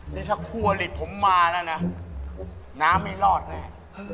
นี่ถ้าคู่อลิดผมมาแล้วนะน้ำไม่รอดแน่